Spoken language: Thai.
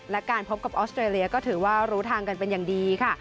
และการพบกับออสเตรเลียก็ถือว่ารู้ทางกันเป็นอย่างดีค่ะ